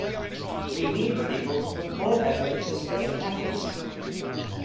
We need people to put more effort into spreading happiness.